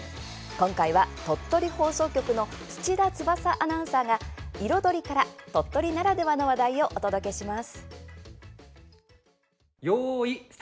今回は、鳥取放送局の土田翼アナウンサーが「いろ★ドリ」から鳥取ならではの話題をお届けします。